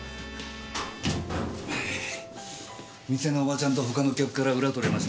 店のおばちゃんと他の客から裏取れました。